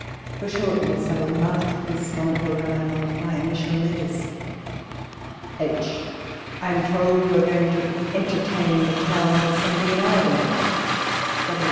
For shortness, I will mark this wonderful dialogue by initial letters. H. I am told you are going to entertain the town with something m our way.